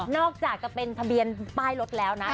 อกจากจะเป็นทะเบียนป้ายรถแล้วนะ